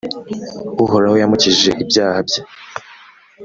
Uhoraho yamukijije ibyaha bye,